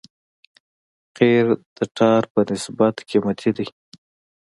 قیر د ټار په نسبت قیمتي دی